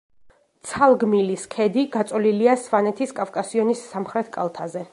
ცალგმილის ქედი გაწოლილია სვანეთის კავკასიონის სამხრეთ კალთაზე.